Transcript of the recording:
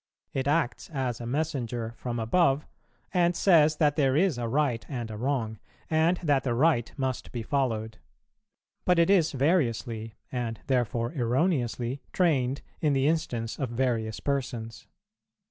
It acts as a messenger from above, and says that there is a right and a wrong, and that the right must be followed; but it is variously, and therefore erroneously, trained in the instance of various persons.